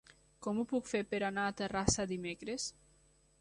Com ho puc fer per anar a Terrassa dimecres?